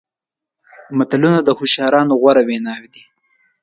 متلونه د هوښیارانو غوره ویناوې دي.